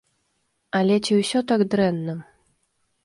Але ці ўсё так дрэнна?